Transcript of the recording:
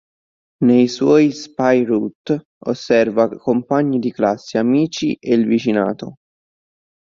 Nei suoi "spy route" osserva compagni di classe, amici e il vicinato.